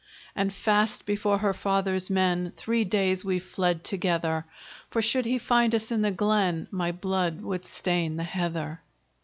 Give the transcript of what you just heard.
"And fast before her father's men Three days we've fled together; For should he find us in the glen, My blood would stain the heather.